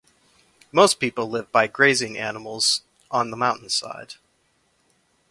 Most people live by grazing animals on the mountainside.